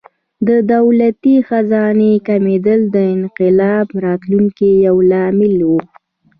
د دولتي خزانې کمېدل د انقلاب راتلو یو لامل و.